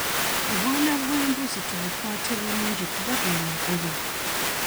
Obwana bw'embuzi tubukwate bulungi kuba ge magoba.